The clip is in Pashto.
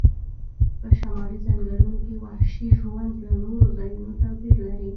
په شمالي ځنګلونو کې وحشي ژوند له نورو ځایونو توپیر لري